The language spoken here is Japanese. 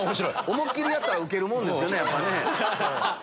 思いっ切りやったらウケるもんですね。